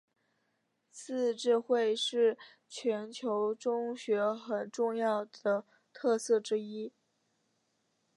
自治会是全人中学很重要的特色之一。